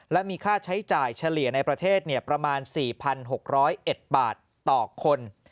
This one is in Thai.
และมีค่าใช้จ่ายเฉลี่ยในประเทศประมาณ๔๖๐๑บาทต่อคน